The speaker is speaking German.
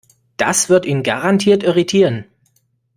Das wird ihn garantiert irritieren.